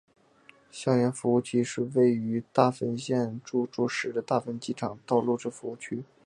相原服务区是位于大分县杵筑市的大分机场道路之服务区。